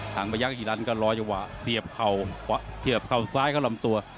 หางไปยังอีกรั้นก็รอยหวะเสียบเข่าซ้ายเข้าลำตัว